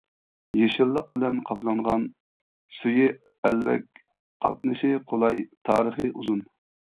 يېشىللىق بىلەن قاپلانغان، سۈيى ئەلۋەك، قاتنىشى قولاي، تارىخى ئۇزۇن.